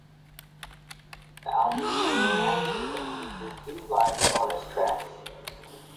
The album was remastered and features two live bonus tracks.